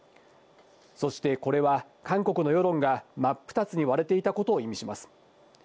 そして、これは韓国の世論が真っ二つに割れていたことを意味します。